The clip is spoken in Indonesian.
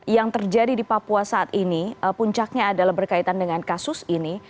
yang terjadi di papua saat ini puncaknya adalah berkaitan dengan kasus ini